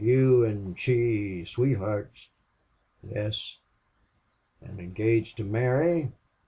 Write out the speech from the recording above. "Were you and she sweethearts?" "Yes." "And engaged to marry?"